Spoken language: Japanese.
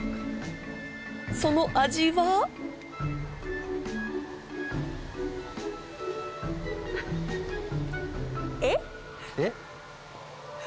その味は？えっ？えっ？